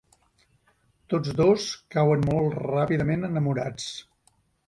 Tots dos cauen molt ràpidament enamorats.